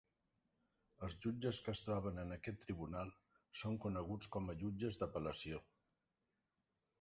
Els jutges que es troben en aquest tribunal són coneguts com a jutges d'apel·lació.